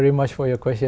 vì câu hỏi của quý vị